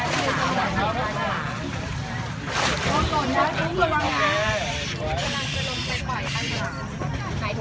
สวัสดีครับ